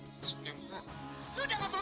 kau mau bilang lucu itu